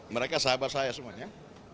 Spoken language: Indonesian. mereka sahabat saya semuanya